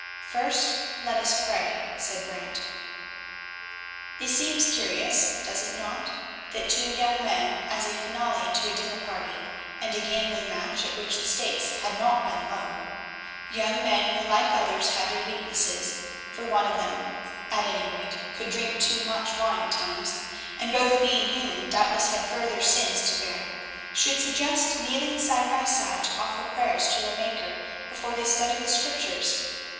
"First let us pray," said Brant. It seems curious, does it not, that two young men as a finale to a dinner party, and a gambling match at which the stakes had not been low; young men who like others had their weaknesses, for one of them, at any rate, could drink too much wine at times, and both being human doubtless had further sins to bear, should suggest kneeling side by side to offer prayers to their Maker before they studied the Scriptures?